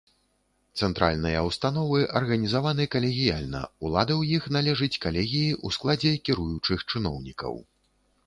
Цэнтральныя ўстановы арганізаваны калегіяльна, улада ў іх належыць калегіі ў складзе кіруючых чыноўнікаў.